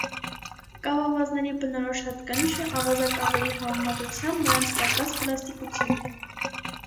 Կավավազների բնորոշ հատկանիշը ավազակավերի համեմատությամբ նրանց պակաս պլաստիկությունն է։